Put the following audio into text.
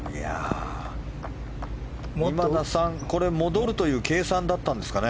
今田さん、これ戻るという計算だったんですかね？